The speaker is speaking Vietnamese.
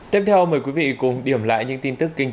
tiếp theo mời quý vị cùng điểm lại những tin tức kinh tế